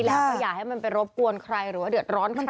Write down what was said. แล้วก็อย่าให้มันไปรบกวนใครหรือว่าเดือดร้อนใคร